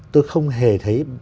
tôi không hề thấy